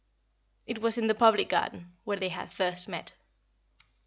It was in the Public Garden, where they had first met.